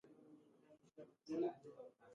ګل د ژوندي زړونو ملګری دی.